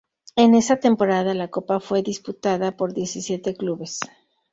En esa temporada la copa fue disputada por diecisiete clubes.